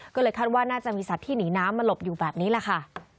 ก็เลยคาดว่าน่าจะมีสัตว์ที่หนีน้ำมาหลบอยู่แบบนี้แหละค่ะ